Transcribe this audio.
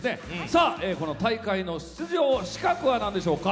この大会の出場資格はなんでしょうか？